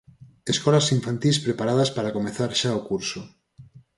Escolas infantís preparadas para comezar xa o curso.